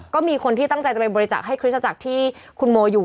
ก็มีคนที่ตั้งใจจะไปบริจาคให้คริสตจักรที่คุณโมอยู่